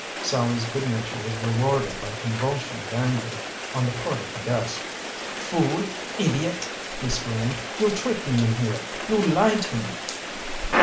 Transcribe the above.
Sallie's good nature was rewarded by a convulsion of anger on the part of the guest. "Fool! Idiot!" he screamed. "You trick me in here! You lie to me!"